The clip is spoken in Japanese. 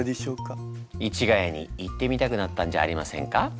市ヶ谷に行ってみたくなったんじゃありませんか？